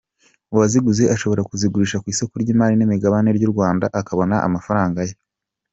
Uwaziguze ashobora kuzigurisha kw’isoko ryimari n’imigabane ry’u Rwanda akabona amafaranga ye.